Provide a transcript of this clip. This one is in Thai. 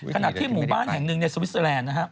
ขณะที่หมู่บ้านแห่งหนึ่งในสวิสเตอร์แลนด์นะครับ